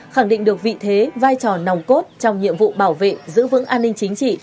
khẳng định được vị thế vai trò nòng cốt trong nhiệm vụ bảo vệ giữ vững an ninh chính trị